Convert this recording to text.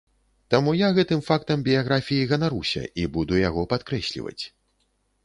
Таму я гэтым фактам біяграфіі ганаруся і буду яго падкрэсліваць.